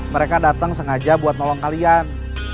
mereka datang sengaja buat nolong kalian